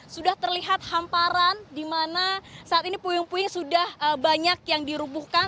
sudah terlihat hamparan di mana saat ini puing puing sudah banyak yang dirubuhkan